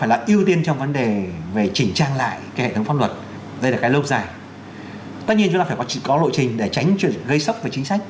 lâu dài tất nhiên chúng ta phải có lộ trình để tránh gây sốc về chính sách